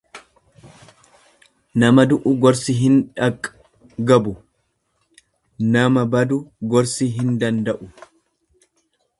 Nama du'u gorsi hindhaqgabu nama badu gorsi hin danda'u.